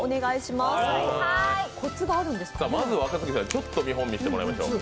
ちょっと見本見せてもらいましょう。